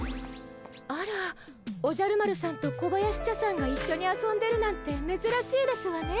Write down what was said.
あらおじゃる丸さんと小林茶さんが一緒に遊んでるなんてめずらしいですわね。